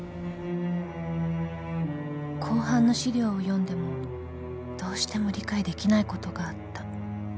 ［公判の資料を読んでもどうしても理解できないことがあった］